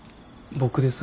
僕です。